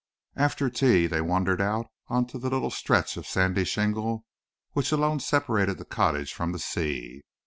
After tea, they wandered out on to the little stretch of sandy shingle which alone separated the cottage from the sea.